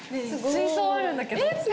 水槽あるんだけどえっ